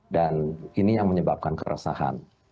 dan ini yang menyebabkan keresahan